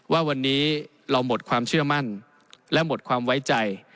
ว่าวันนี้เราหมดความเชื่อมั่นและหมดความไว้ใจ